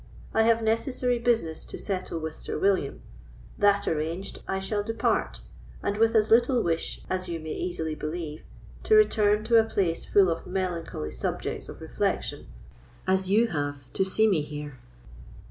I have necessary business to settle with Sir William; that arranged, I shall depart, and with as little wish, as you may easily believe, to return to a place full of melancholy subjects of reflection, as you have to see me here."